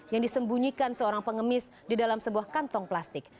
yang disembunyikan seorang pengemis di dalam sebuah kantong plastik